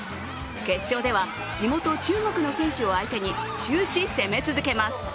決勝では、地元・中国の選手を相手に終始攻め続けます。